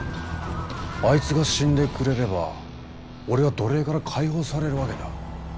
あいつが死んでくれれば俺は奴隷から解放されるわけだ。